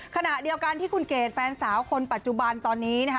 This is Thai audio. ขณะเดียวกันที่คุณเกดแฟนสาวคนปัจจุบันตอนนี้นะคะ